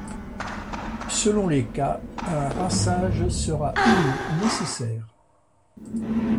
Selon les cas, un rinçage sera ou non nécessaire.